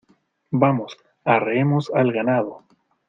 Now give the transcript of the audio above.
Vamos, arreemos al ganado.